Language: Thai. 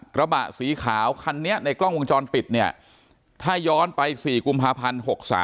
กระบะสีขาวคันนี้ในกล้องวงจรปิดเนี่ยถ้าย้อนไป๔กุมภาพันธ์๖๓